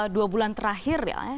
dua bulan terakhir ya